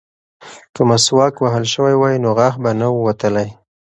که مسواک وهل شوی وای نو غاښ به نه ووتلی.